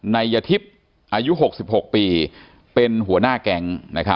นายยทิพย์อายุ๖๖ปีเป็นหัวหน้าแก๊ง